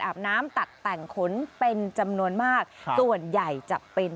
น้ำตัดแต่งขนเป็นจำนวนมากส่วนใหญ่จะเป็น